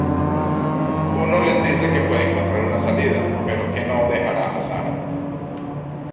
Juno les dice que puede encontrar una salida, pero que no dejará a Sarah.